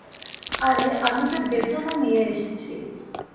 আরে আমি তো বেতন ও নিয়ে এসেছি।